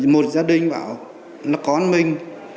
một gia đình bảo là con mình